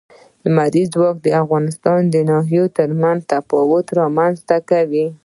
لمریز ځواک د افغانستان د ناحیو ترمنځ تفاوتونه رامنځ ته کوي.